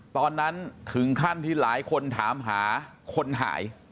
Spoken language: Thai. ตอนนั้นถึงขั้นที่หลายคนถามหาคนหาย